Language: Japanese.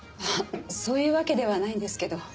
あっそういうわけではないんですけど。